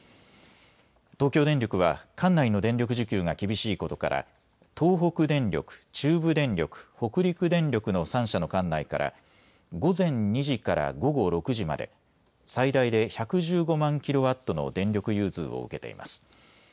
東京電力は管内の電力需給が厳しいことから東北電力、中部電力、北陸電力の３社の管内から午前２時から午後６時まで、最大で１１５万キロワットの電力融通を受けています。